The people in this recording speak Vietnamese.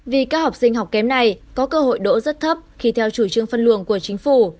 vì các học sinh học kém này có cơ hội đỗ rất thấp khi theo chủ trương phân luồng của chính phủ